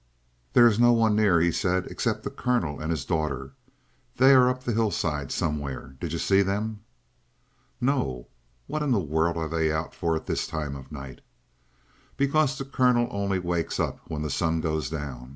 "There is no one near," he said, "except the colonel and his daughter. They are up the hillside, somewhere. Did you see them?" "No. What in the world are they out for at this time of night?" "Because the colonel only wakes up when the sun goes down.